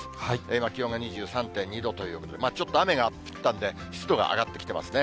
今、気温が２３．２度ということで、ちょっと雨が降ったんで、湿度が上がってきていますね。